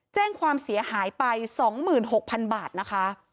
แจ้งความเสียหายไป๒๖๐๐๐บาทนะคะ